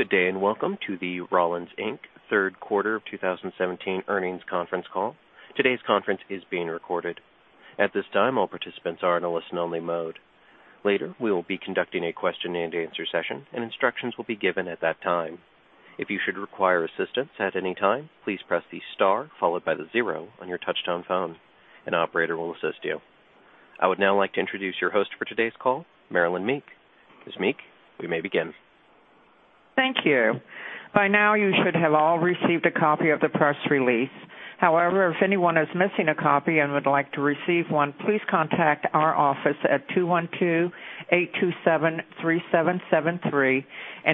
Good day, and welcome to the Rollins, Inc. third quarter of 2017 earnings conference call. Today's conference is being recorded. At this time, all participants are in a listen-only mode. Later, we will be conducting a question-and-answer session, and instructions will be given at that time. If you should require assistance at any time, please press the star followed by zero on your touch-tone phone. An operator will assist you. I would now like to introduce your host for today's call, Marilynn Meek. Ms. Meek, we may begin. Thank you. By now, you should have all received a copy of the press release. If anyone is missing a copy and would like to receive one, please contact our office at 212-827-3773,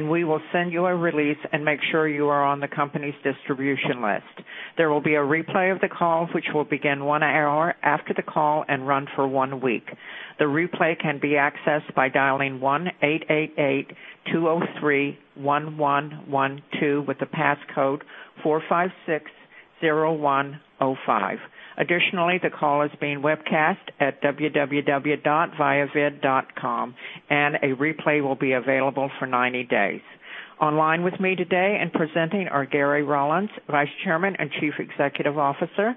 we will send you a release and make sure you are on the company's distribution list. There will be a replay of the call, which will begin one hour after the call and run for one week. The replay can be accessed by dialing 1-888-203-1112 with the passcode 4560105. The call is being webcast at www.viavid.com, and a replay will be available for 90 days. Online with me today and presenting are Gary Rollins, Vice Chairman and Chief Executive Officer,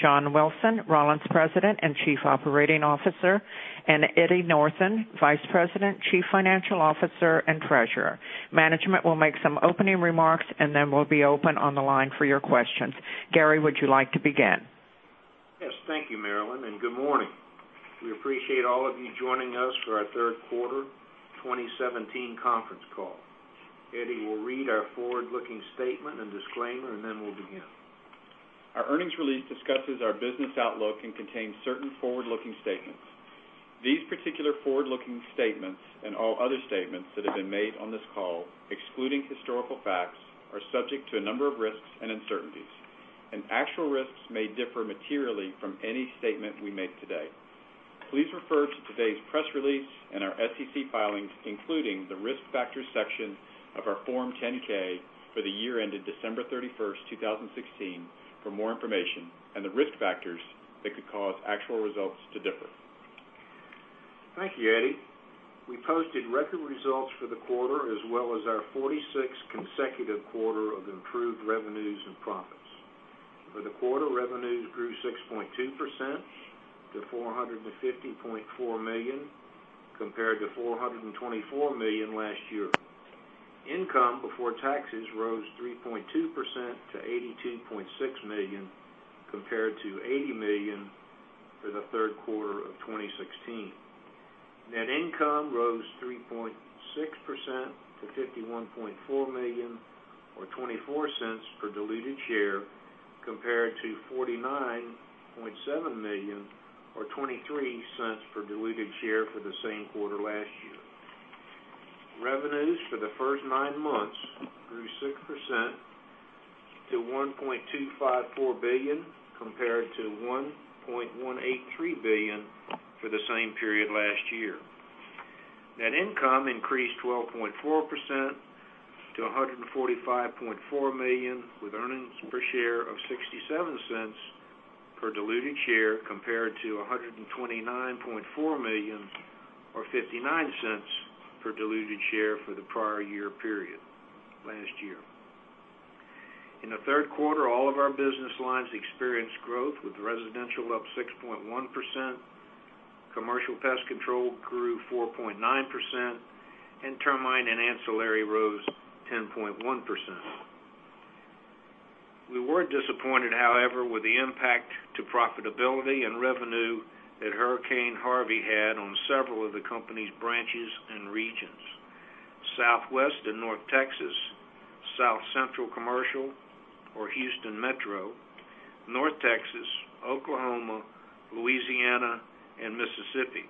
John Wilson, Rollins President and Chief Operating Officer, Eddie Northen, Vice President, Chief Financial Officer, and Treasurer. Management will make some opening remarks, then we'll be open on the line for your questions. Gary, would you like to begin? Yes. Thank you, Marilynn, good morning. We appreciate all of you joining us for our third quarter 2017 conference call. Eddie will read our forward-looking statement and disclaimer, then we'll begin. Our earnings release discusses our business outlook and contains certain forward-looking statements. These particular forward-looking statements, and all other statements that have been made on this call, excluding historical facts, are subject to a number of risks and uncertainties, and actual risks may differ materially from any statement we make today. Please refer to today's press release and our SEC filings, including the Risk Factors section of our Form 10-K for the year ended December 31st, 2016, for more information on the risk factors that could cause actual results to differ. Thank you, Eddie. We posted record results for the quarter, as well as our 46th consecutive quarter of improved revenues and profits. For the quarter, revenues grew 6.2% to $450.4 million, compared to $424 million last year. Income before taxes rose 3.2% to $82.6 million, compared to $80 million for the third quarter of 2016. Net income rose 3.6% to $51.4 million, or $0.24 per diluted share, compared to $49.7 million, or $0.23 per diluted share for the same quarter last year. Revenues for the first nine months grew 6% to $1.254 billion, compared to $1.183 billion for the same period last year. Net income increased 12.4% to $145.4 million, with earnings per share of $0.67 per diluted share compared to $129.4 million or $0.59 per diluted share for the prior year period last year. In the third quarter, all of our business lines experienced growth, with residential up 6.1%, commercial pest control grew 4.9%, and termite and ancillary rose 10.1%. We were disappointed, however, with the impact to profitability and revenue that Hurricane Harvey had on several of the company's branches and regions. Southwest and North Texas, South Central Commercial or Houston Metro, North Texas, Oklahoma, Louisiana, and Mississippi.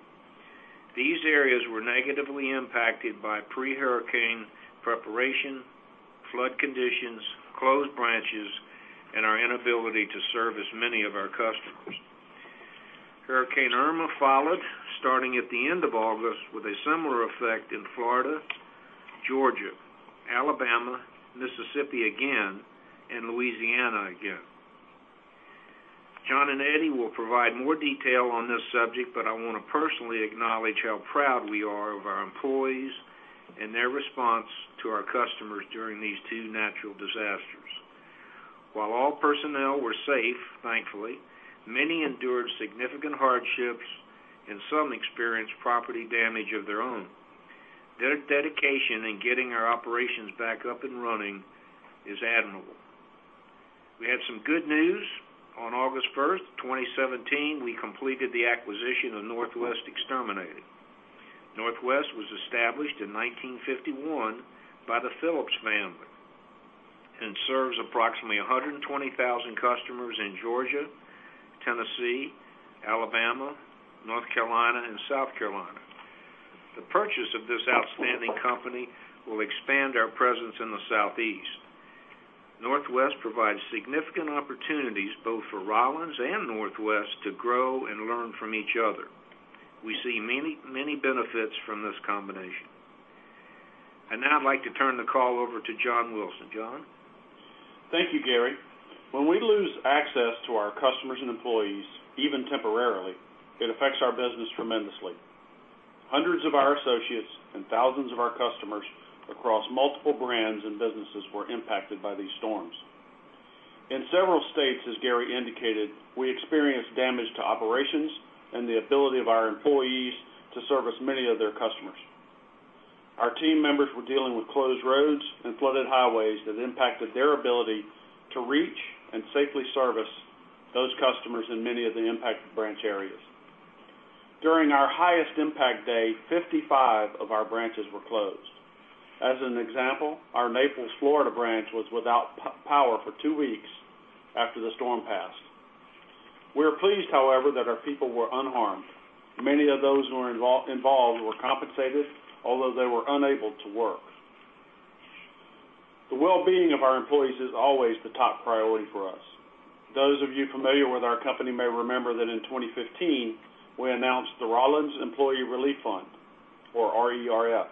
These areas were negatively impacted by pre-hurricane preparation, flood conditions, closed branches, and our inability to serve as many of our customers. Hurricane Irma followed, starting at the end of August, with a similar effect in Florida, Georgia, Alabama, Mississippi again, and Louisiana again. John and Eddie will provide more detail on this subject, but I want to personally acknowledge how proud we are of our employees and their response to our customers during these two natural disasters. While all personnel were safe, thankfully, many endured significant hardships, and some experienced property damage of their own. Their dedication in getting our operations back up and running is admirable. We have some good news. On August 1st, 2017, we completed the acquisition of Northwest Exterminating. Northwest was established in 1951 by the Phillips family and serves approximately 120,000 customers in Georgia, Tennessee, Alabama, North Carolina, and South Carolina. The purchase of this outstanding company will expand our presence in the Southeast. Northwest provides significant opportunities both for Rollins and Northwest to grow and learn from each other. Now I'd like to turn the call over to John Wilson. John? Thank you, Gary. When we lose access to our customers and employees, even temporarily, it affects our business tremendously. Hundreds of our associates and thousands of our customers across multiple brands and businesses were impacted by these storms. In several states, as Gary indicated, we experienced damage to operations and the ability of our employees to service many of their customers. Our team members were dealing with closed roads and flooded highways that impacted their ability to reach and safely service those customers in many of the impacted branch areas. During our highest impact day, 55 of our branches were closed. As an example, our Naples, Florida, branch was without power for two weeks after the storm passed. We are pleased, however, that our people were unharmed. Many of those who were involved were compensated, although they were unable to work. The well-being of our employees is always the top priority for us. Those of you familiar with our company may remember that in 2015, we announced the Rollins Employee Relief Fund, or RERF.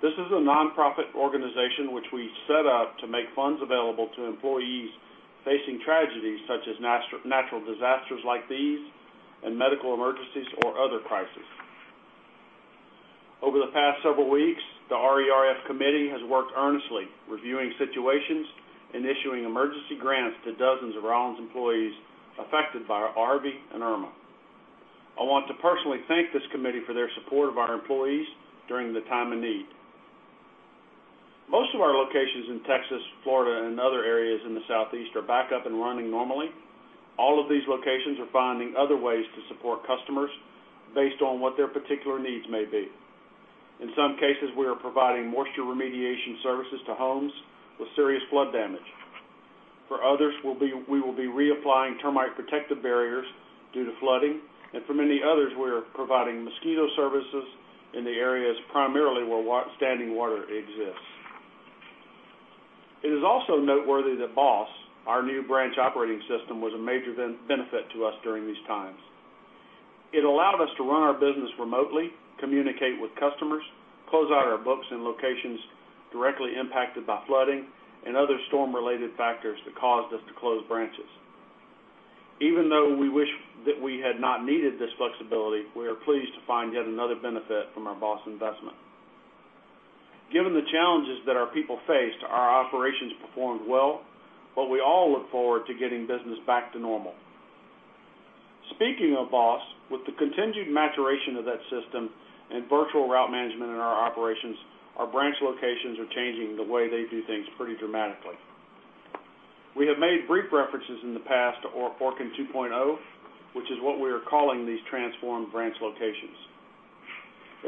This is a nonprofit organization which we set up to make funds available to employees facing tragedies such as natural disasters like these, medical emergencies, or other crises. Over the past several weeks, the RERF committee has worked earnestly reviewing situations and issuing emergency grants to dozens of Rollins employees affected by Harvey and Irma. I want to personally thank this committee for their support of our employees during the time of need. Most of our locations in Texas, Florida, and other areas in the Southeast are back up and running normally. All of these locations are finding other ways to support customers based on what their particular needs may be. In some cases, we are providing moisture remediation services to homes with serious flood damage. For others, we will be reapplying termite protective barriers due to flooding. For many others, we are providing mosquito services in the areas primarily where standing water exists. It is also noteworthy that BOSS, our new branch operating system, was a major benefit to us during these times. It allowed us to run our business remotely, communicate with customers, close out our books in locations directly impacted by flooding and other storm-related factors that caused us to close branches. Even though we wish that we had not needed this flexibility, we are pleased to find yet another benefit from our BOSS investment. Given the challenges that our people faced, our operations performed well. We all look forward to getting business back to normal. Speaking of BOSS, with the continued maturation of that system and virtual route management in our operations, our branch locations are changing the way they do things pretty dramatically. We have made brief references in the past to Orkin 2.0, which is what we are calling these transformed branch locations.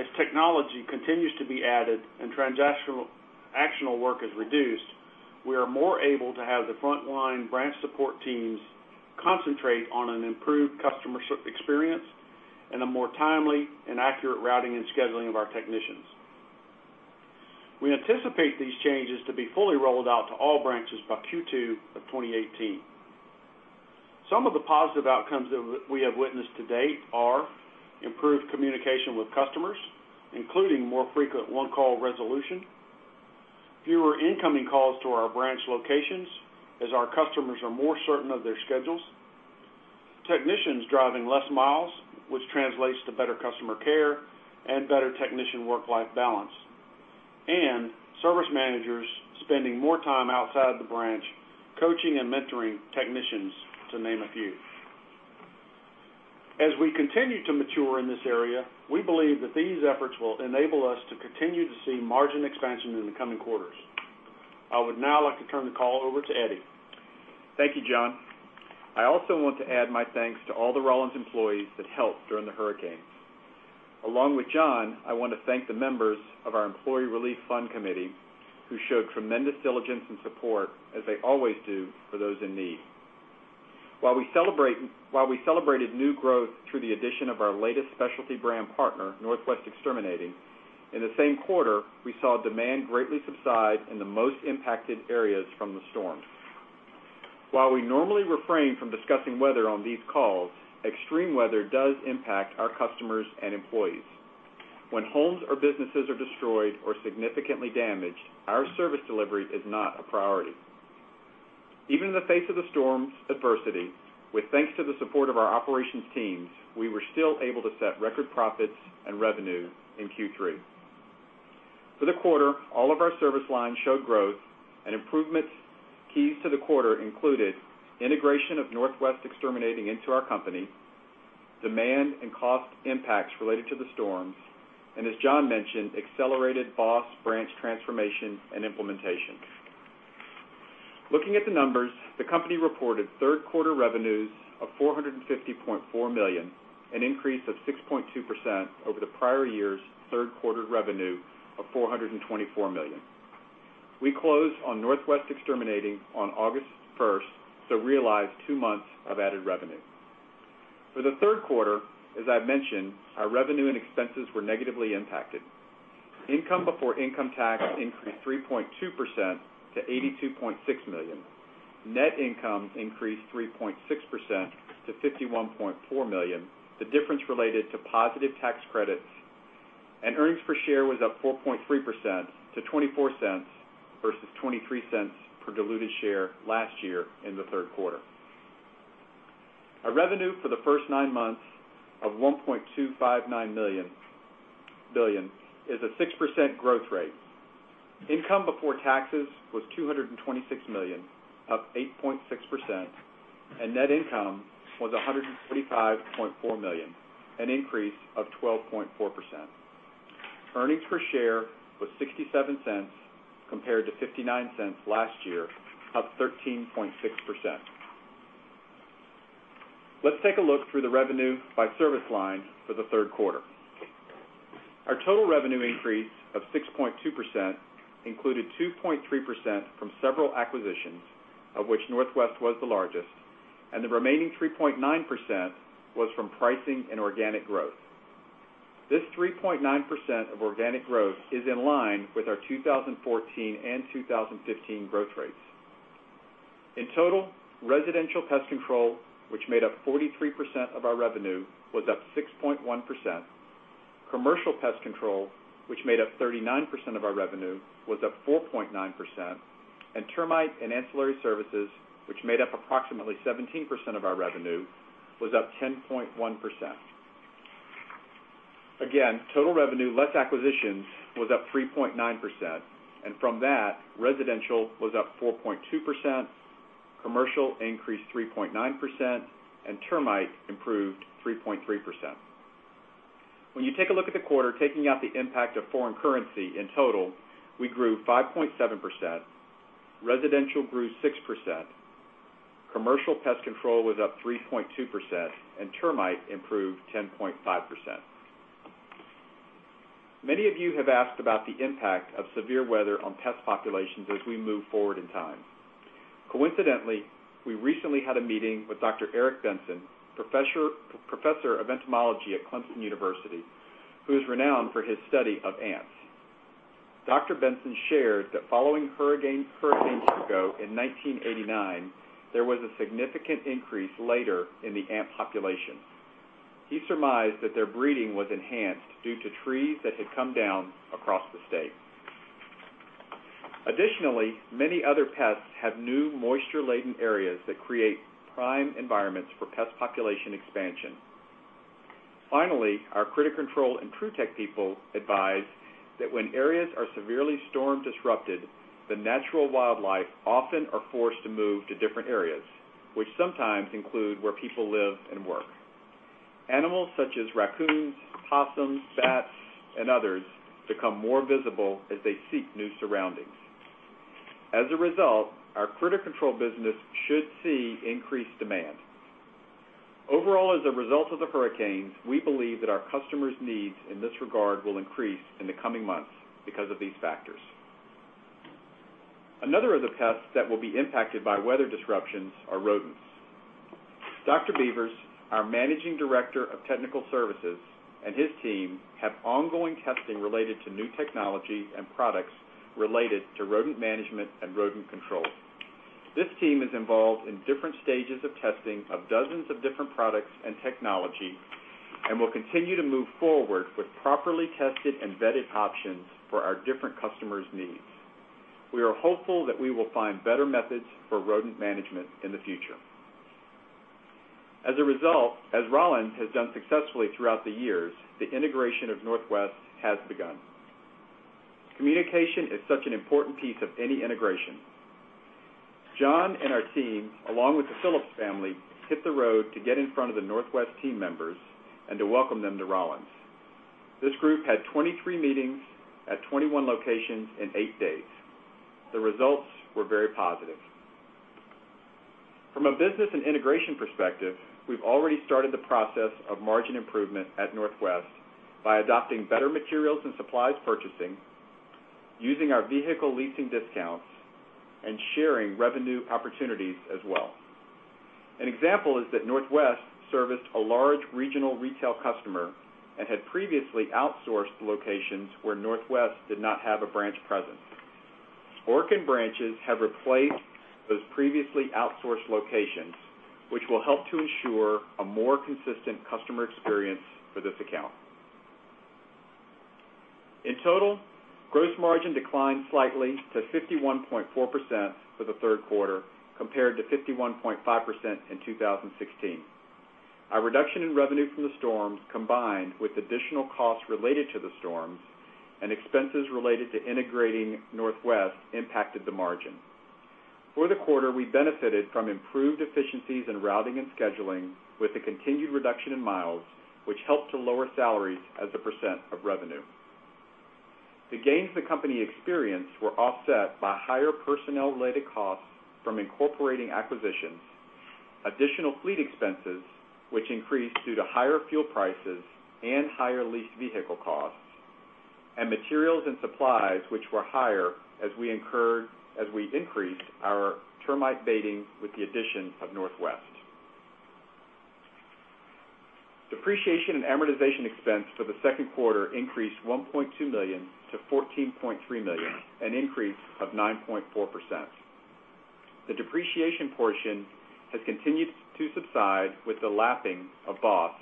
As technology continues to be added and transactional work is reduced, we are more able to have the frontline branch support teams concentrate on an improved customer experience and a more timely and accurate routing and scheduling of our technicians. We anticipate these changes to be fully rolled out to all branches by Q2 of 2018. Some of the positive outcomes that we have witnessed to date are: improved communication with customers, including more frequent one-call resolution, fewer incoming calls to our branch locations as our customers are more certain of their schedules, technicians driving less miles, which translates to better customer care and better technician work-life balance, and service managers spending more time outside the branch coaching and mentoring technicians, to name a few. As we continue to mature in this area, we believe that these efforts will enable us to continue to see margin expansion in the coming quarters. I would now like to turn the call over to Eddie. Thank you, John. I also want to add my thanks to all the Rollins employees that helped during the hurricane. Along with John, I want to thank the members of our Rollins Employee Relief Fund committee, who showed tremendous diligence and support, as they always do, for those in need. While we celebrated new growth through the addition of our latest specialty brand partner, Northwest Exterminating, in the same quarter, we saw demand greatly subside in the most impacted areas from the storm. While we normally refrain from discussing weather on these calls, extreme weather does impact our customers and employees. When homes or businesses are destroyed or significantly damaged, our service delivery is not a priority. Even in the face of the storm's adversity, with thanks to the support of our operations teams, we were still able to set record profits and revenue in Q3. For the quarter, all of our service lines showed growth, and improvements keys to the quarter included: integration of Northwest Exterminating into our company, demand and cost impacts related to the storms, and as John mentioned, accelerated BOSS branch transformation and implementation. Looking at the numbers, the company reported third quarter revenues of $450.4 million, an increase of 6.2% over the prior year's third quarter revenue of $424 million. We closed on Northwest Exterminating on August 1st, so realized two months of added revenue. For the third quarter, as I've mentioned, our revenue and expenses were negatively impacted. Income before income tax increased 3.2% to $82.6 million. Net income increased 3.6% to $51.4 million. The difference related to positive tax credits. Earnings per share was up 4.3% to $0.24 versus $0.23 per diluted share last year in the third quarter. Our revenue for the first nine months of $1.254 billion is a 6% growth rate. Income before taxes was $226 million, up 8.6%. Net income was $145.4 million, an increase of 12.4%. Earnings per share was $0.67 compared to $0.59 last year, up 13.6%. Let's take a look through the revenue by service line for the third quarter. Our total revenue increase of 6.2% included 2.3% from several acquisitions, of which Northwest was the largest, and the remaining 3.9% was from pricing and organic growth. This 3.9% of organic growth is in line with our 2014 and 2015 growth rates. In total, residential pest control, which made up 43% of our revenue, was up 6.1%. Commercial pest control, which made up 39% of our revenue, was up 4.9%. Termite and ancillary services, which made up approximately 17% of our revenue, was up 10.1%. Again, total revenue, less acquisitions, was up 3.9%. From that, residential was up 4.2%, commercial increased 3.9%, and termite improved 3.3%. When you take a look at the quarter, taking out the impact of foreign currency, in total, we grew 5.7%. Residential grew 6%, commercial pest control was up 3.2%, and termite improved 10.5%. Many of you have asked about the impact of severe weather on pest populations as we move forward in time. Coincidentally, we recently had a meeting with Dr. Eric Benson, Professor of Entomology at Clemson University, who is renowned for his study of ants. Dr. Benson shared that following Hurricane Hugo in 1989, there was a significant increase later in the ant population. He surmised that their breeding was enhanced due to trees that had come down across the state. Additionally, many other pests have new moisture-laden areas that create prime environments for pest population expansion. Finally, our Critter Control and Trutech people advise that when areas are severely storm-disrupted, the natural wildlife often are forced to move to different areas, which sometimes include where people live and work. Animals such as raccoons, possums, bats, and others become more visible as they seek new surroundings. As a result, our Critter Control business should see increased demand. Overall, as a result of the hurricanes, we believe that our customers' needs in this regard will increase in the coming months because of these factors. Another of the pests that will be impacted by weather disruptions are rodents. Dr. Beavers, our Managing Director of Technical Services, and his team have ongoing testing related to new technology and products related to rodent management and rodent control. This team is involved in different stages of testing of dozens of different products and technology and will continue to move forward with properly tested and vetted options for our different customers' needs. We are hopeful that we will find better methods for rodent management in the future. As a result, as Rollins has done successfully throughout the years, the integration of Northwest has begun. Communication is such an important piece of any integration. John and our team, along with the Phillips family, hit the road to get in front of the Northwest team members and to welcome them to Rollins. This group had 23 meetings at 21 locations in eight days. The results were very positive. From a business and integration perspective, we've already started the process of margin improvement at Northwest by adopting better materials and supplies purchasing, using our vehicle leasing discounts, sharing revenue opportunities as well. An example is that Northwest serviced a large regional retail customer and had previously outsourced locations where Northwest did not have a branch presence. Orkin branches have replaced those previously outsourced locations, which will help to ensure a more consistent customer experience for this account. In total, gross margin declined slightly to 51.4% for the third quarter compared to 51.5% in 2016. Our reduction in revenue from the storms, combined with additional costs related to the storms and expenses related to integrating Northwest, impacted the margin. For the quarter, we benefited from improved efficiencies in routing and scheduling with a continued reduction in miles, which helped to lower salaries as a % of revenue. The gains the company experienced were offset by higher personnel-related costs from incorporating acquisitions, additional fleet expenses, which increased due to higher fuel prices and higher leased vehicle costs, and materials and supplies, which were higher as we increased our termite baiting with the addition of Northwest. Depreciation and amortization expense for the second quarter increased $1.2 million to $14.3 million, an increase of 9.4%. The depreciation portion has continued to subside with the lapping of BOSS,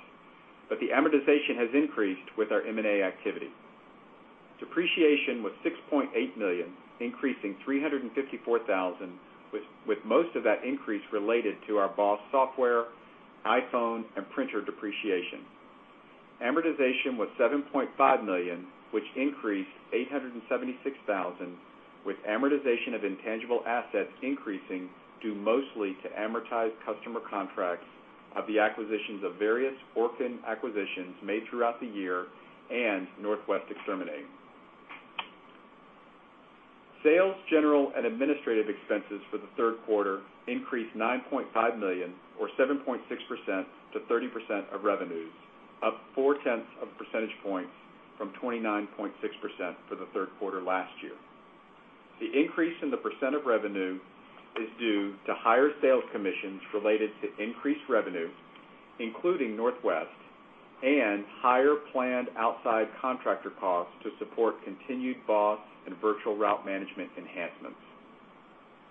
but the amortization has increased with our M&A activity. Depreciation was $6.8 million, increasing $354,000, with most of that increase related to our BOSS software, iPhone, and printer depreciation. Amortization was $7.5 million, which increased $876,000, with amortization of intangible assets increasing due mostly to amortized customer contracts of the acquisitions of various orphan acquisitions made throughout the year and Northwest Exterminating. Sales, general and administrative expenses for the third quarter increased $9.5 million or 7.6% to 30% of revenues, up four tenths of a percentage point from 29.6% for the third quarter last year. The increase in the percent of revenue is due to higher sales commissions related to increased revenue, including Northwest, and higher planned outside contractor costs to support continued BOSS and virtual route management enhancements.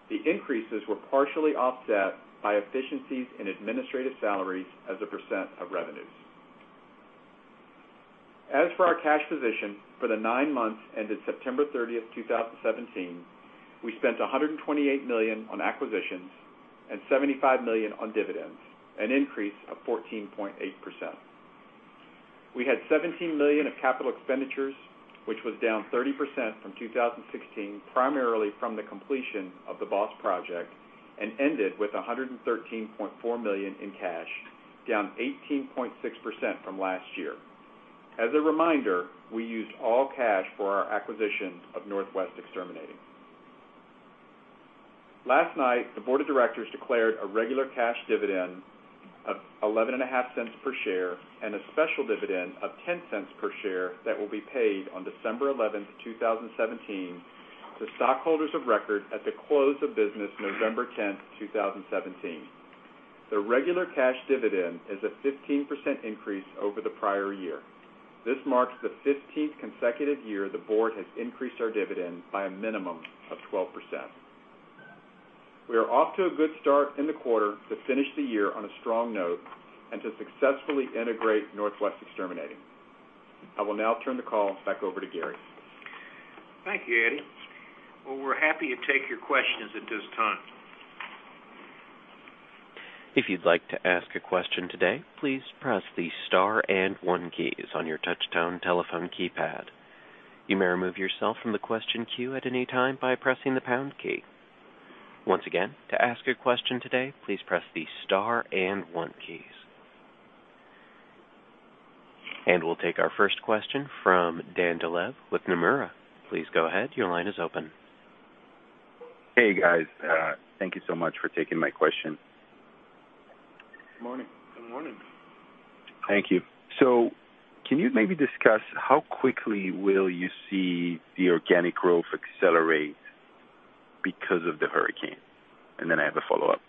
The increases were partially offset by efficiencies in administrative salaries as a percent of revenues. As for our cash position for the nine months ended September 30th, 2017, we spent $128 million on acquisitions and $75 million on dividends, an increase of 14.8%. We had $17 million of capital expenditures, which was down 30% from 2016, primarily from the completion of the BOSS project, and ended with $113.4 million in cash, down 18.6% from last year. As a reminder, we used all cash for our acquisition of Northwest Exterminating. Last night, the board of directors declared a regular cash dividend of $0.115 per share and a special dividend of $0.10 per share that will be paid on December 11th, 2017 to stockholders of record at the close of business November 10th, 2017. The regular cash dividend is a 15% increase over the prior year. This marks the 15th consecutive year the board has increased our dividend by a minimum of 12%. We are off to a good start in the quarter to finish the year on a strong note and to successfully integrate Northwest Exterminating. I will now turn the call back over to Gary. Thank you, Eddie. Well, we're happy to take your questions at this time. If you'd like to ask a question today, please press the star and one keys on your touchtone telephone keypad. You may remove yourself from the question queue at any time by pressing the pound key. Once again, to ask a question today, please press the star and one keys. We'll take our first question from Dan Dolev with Nomura. Please go ahead. Your line is open. Hey, guys. Thank you so much for taking my question. Good morning. Good morning. Thank you. Can you maybe discuss how quickly will you see the organic growth accelerate because of the hurricane? I have a follow-up.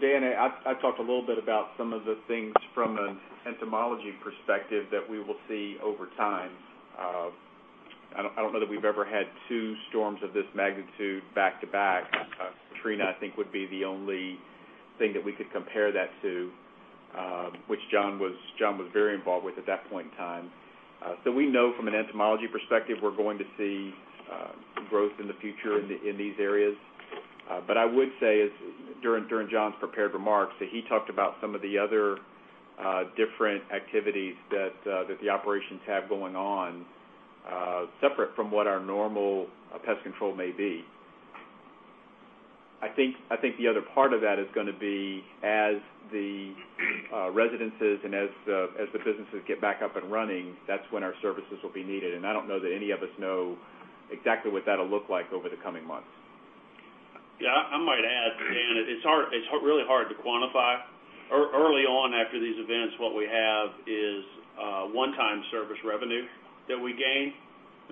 Dan, I talked a little bit about some of the things from an entomology perspective that we will see over time. I don't know that we've ever had two storms of this magnitude back to back. Katrina, I think, would be the only thing that we could compare that to, which John was very involved with at that point in time. We know from an entomology perspective, we're going to see growth in the future in these areas. I would say is, during John's prepared remarks, that he talked about some of the other different activities that the operations have going on separate from what our normal pest control may be. I think the other part of that is going to be as the residences and as the businesses get back up and running, that's when our services will be needed, and I don't know that any of us know exactly what that'll look like over the coming months. Yeah, I might add, Dan, it's really hard to quantify. Early on after these events, what we have is one-time service revenue that we gain,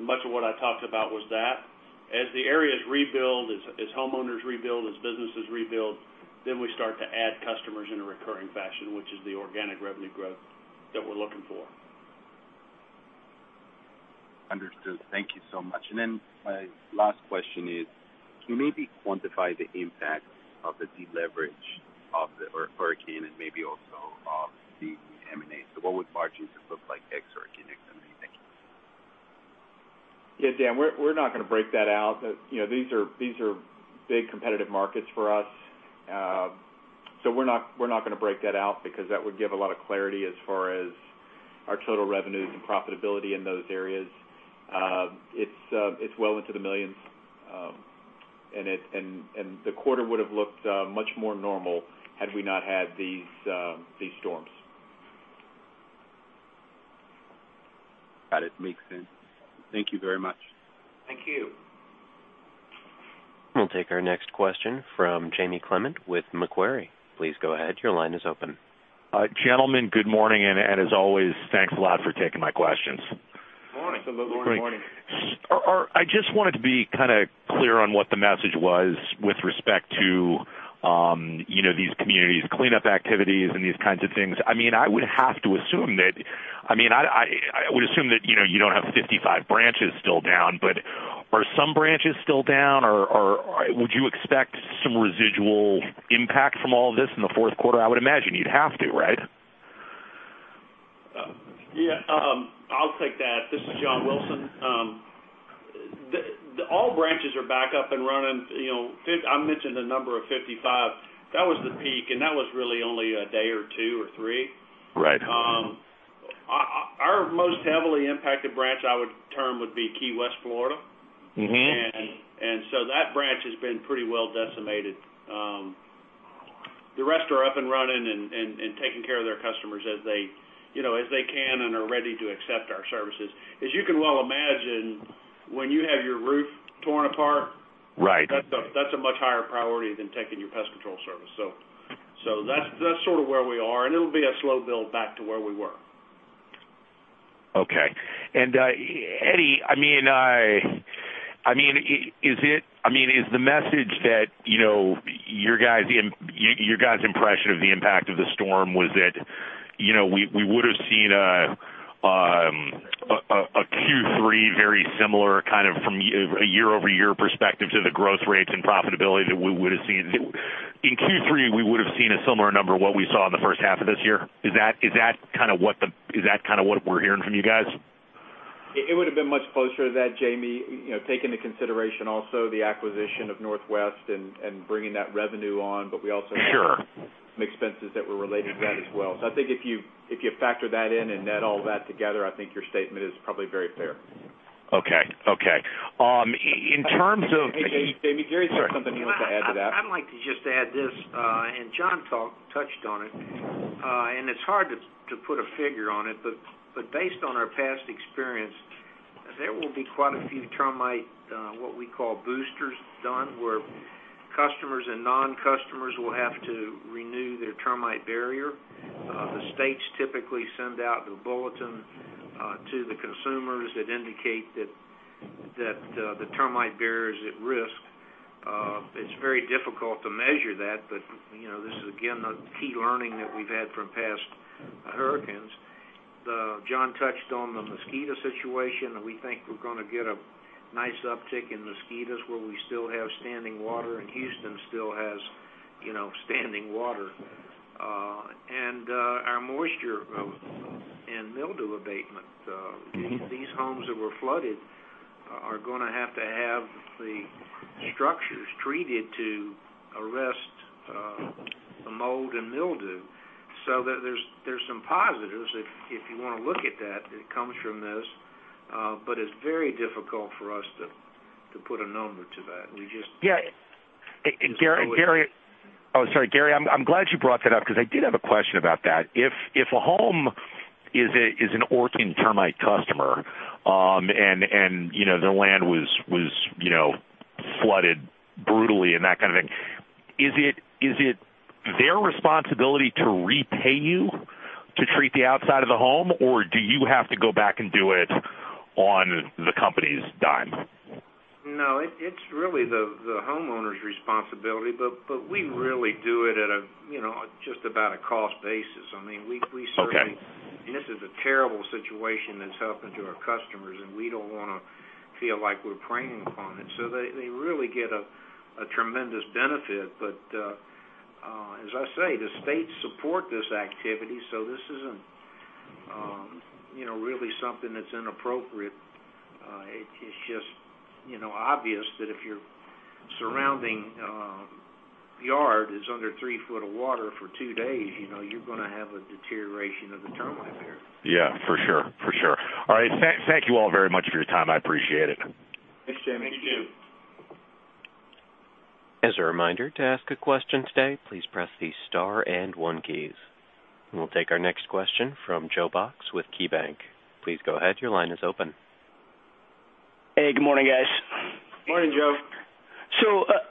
and much of what I talked about was that. As the areas rebuild, as homeowners rebuild, as businesses rebuild, we start to add customers in a recurring fashion, which is the organic revenue growth that we're looking for. My last question is, can you maybe quantify the impact of the deleverage of the hurricane and maybe also of the M&A? What would margins have looked like ex hurricane, ex-M&A? Thank you. Yeah, Dan, we're not going to break that out. These are big competitive markets for us. We're not going to break that out because that would give a lot of clarity as far as our total revenues and profitability in those areas. It's well into the millions. The quarter would have looked much more normal had we not had these storms. Got it. Makes sense. Thank you very much. Thank you. We'll take our next question from Jamie Clement with Macquarie. Please go ahead. Your line is open. Gentlemen, good morning. As always, thanks a lot for taking my questions. Morning. Absolutely. Good morning. Morning. I just wanted to be kind of clear on what the message was with respect to these communities cleanup activities and these kinds of things. I would assume that you don't have 55 branches still down, are some branches still down, or would you expect some residual impact from all of this in the fourth quarter? I would imagine you'd have to, right? Yeah. I'll take that. This is John Wilson. All branches are back up and running. I mentioned the number of 55. That was the peak, and that was really only a day or two or three. Right. Our most heavily impacted branch, I would term, would be Key West, Florida. That branch has been pretty well decimated. The rest are up and running and taking care of their customers as they can and are ready to accept our services. As you can well imagine, when you have your roof torn apart- Right that's a much higher priority than taking your pest control service. That's sort of where we are, and it'll be a slow build back to where we were. Okay. Eddie Northen, is the message that your guys' impression of the impact of the storm was that we would've seen a Q3 very similar, from a year-over-year perspective, to the growth rates and profitability that we would've seen? In Q3, we would've seen a similar number to what we saw in the first half of this year. Is that kind of what we're hearing from you guys? It would've been much closer to that, Jamie Clement, taking into consideration also the acquisition of Northwest and bringing that revenue on. We also had Sure some expenses that were related to that as well. I think if you factor that in and net all that together, I think your statement is probably very fair. Okay. In terms of Hey, Jamie. Gary's got something he wants to add to that. I'd like to just add this. John touched on it. It's hard to put a figure on it, but based on our past experience, there will be quite a few termite, what we call boosters done, where customers and non-customers will have to renew their termite barrier. The states typically send out a bulletin to the consumers that indicate that the termite barrier is at risk. It's very difficult to measure that, but this is, again, a key learning that we've had from past hurricanes. John touched on the mosquito situation. We think we're going to get a nice uptick in mosquitoes where we still have standing water. Houston still has standing water. Our moisture and mildew abatement. These homes that were flooded are going to have to have the structures treated to arrest the mold and mildew. There's some positives, if you want to look at that comes from this. It's very difficult for us to put a number to that. Yeah. Oh, sorry, Gary, I'm glad you brought that up because I did have a question about that. If a home is an Orkin termite customer, their land was flooded brutally and that kind of thing, is it their responsibility to repay you to treat the outside of the home, or do you have to go back and do it on the company's dime? It's really the homeowner's responsibility, we really do it at just about a cost basis. Okay. This is a terrible situation that's happened to our customers, and we don't want to feel like we're preying upon it. They really get a tremendous benefit. As I say, the states support this activity, this isn't really something that's inappropriate. It's just obvious that if your surrounding yard is under three foot of water for two days, you're going to have a deterioration of the termite barrier. Yeah, for sure. All right. Thank you all very much for your time. I appreciate it. Thanks, Jamie. Thank you. As a reminder, to ask a question today, please press the star and one keys. We'll take our next question from Joe Box with KeyBank. Please go ahead. Your line is open. Hey, good morning, guys. Morning, Joe.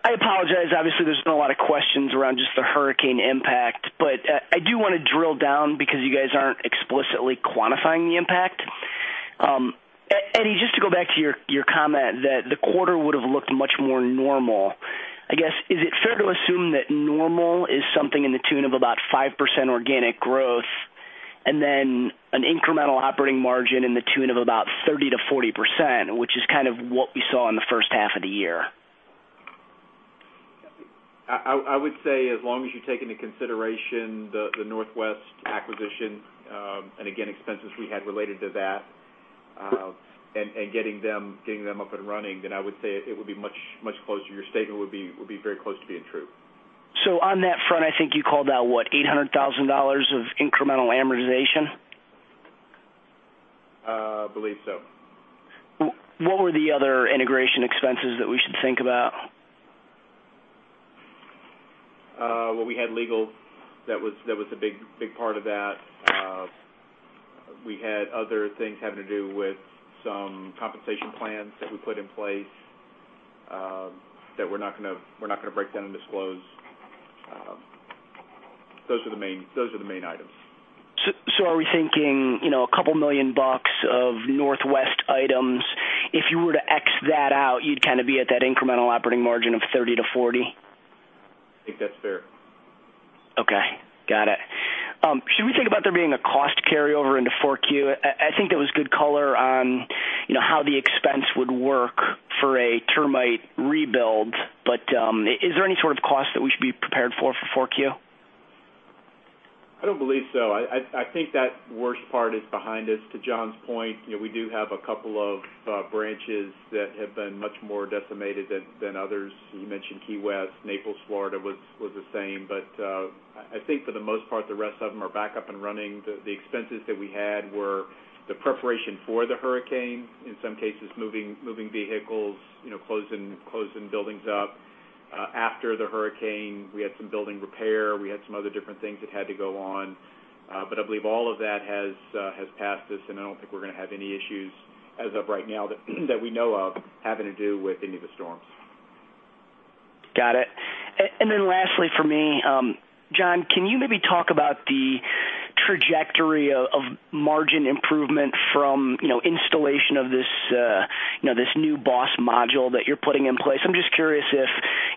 I apologize, obviously, there's been a lot of questions around just the hurricane impact, I do want to drill down because you guys aren't explicitly quantifying the impact. Eddie, just to go back to your comment that the quarter would've looked much more normal. I guess, is it fair to assume that normal is something in the tune of about 5% organic growth, and then an incremental operating margin in the tune of about 30%-40%, which is kind of what we saw in the first half of the year? I would say as long as you take into consideration the Northwest acquisition, again, expenses we had related to that, and getting them up and running, I would say it would be much closer. Your statement would be very close to being true. On that front, I think you called out, what, $800,000 of incremental amortization? I believe so. What were the other integration expenses that we should think about? Well, we had legal. That was a big part of that. We had other things having to do with some compensation plans that we put in place, that we're not going to break down and disclose. Those are the main items. Are we thinking a couple million dollars? You'd kind of be at that incremental operating margin of 30%-40%? I think that's fair. Okay. Got it. Should we think about there being a cost carryover into 4Q? I think that was good color on how the expense would work for a termite rebuild. Is there any sort of cost that we should be prepared for 4Q? I don't believe so. I think that worst part is behind us. To John's point, we do have a couple of branches that have been much more decimated than others. You mentioned Key West, Naples, Florida was the same. I think for the most part, the rest of them are back up and running. The expenses that we had were the preparation for the hurricane, in some cases, moving vehicles, closing buildings up. After the hurricane, we had some building repair. We had some other different things that had to go on. I believe all of that has passed us, and I don't think we're going to have any issues as of right now that we know of having to do with any of the storms. Got it. Lastly from me, John, can you maybe talk about the trajectory of margin improvement from installation of this new BOSS module that you're putting in place? I'm just curious if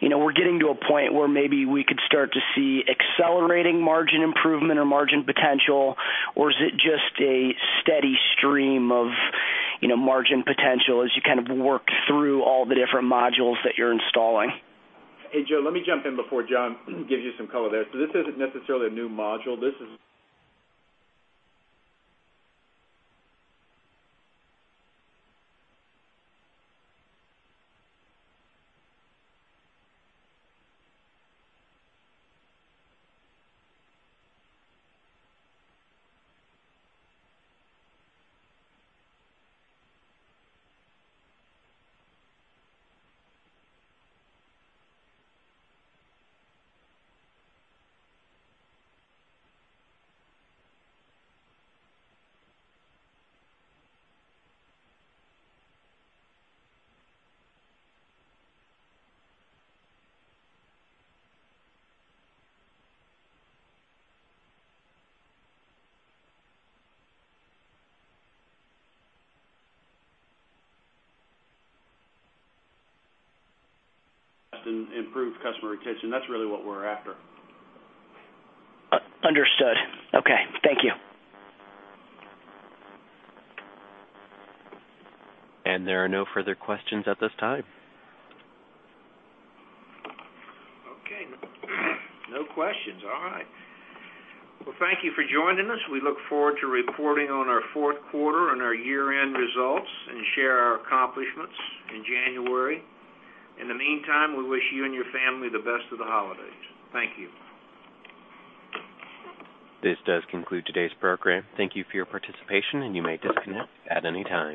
we're getting to a point where maybe we could start to see accelerating margin improvement or margin potential, or is it just a steady stream of margin potential as you kind of work through all the different modules that you're installing? Hey, Joe, let me jump in before John gives you some color there. This isn't necessarily a new module. This is an improved customer retention. That's really what we're after. Understood. Okay. Thank you. There are no further questions at this time. Okay. No questions. All right. Well, thank you for joining us. We look forward to reporting on our fourth quarter and our year-end results and share our accomplishments in January. In the meantime, we wish you and your family the best of the holidays. Thank you. This does conclude today's program. Thank you for your participation, and you may disconnect at any time.